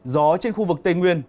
gió trên khu vực tây nguyên